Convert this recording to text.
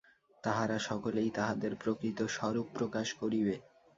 তাহারা সকলেই তাহাদের প্রকৃত স্বরূপ প্রকাশ করিবে।